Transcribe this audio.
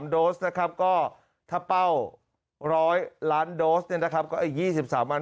๙๖๔๑๘๕๗๓โดสนะครับก็ถ้าเป้าร้อยล้านโดสเนี่ยนะครับก็อีก๒๓อัน